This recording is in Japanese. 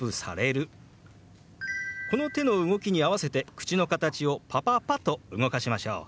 この手の動きに合わせて口の形を「パパパ」と動かしましょう。